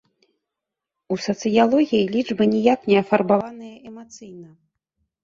У сацыялогіі лічбы ніяк не афарбаваныя эмацыйна.